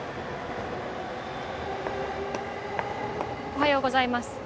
おはようございます。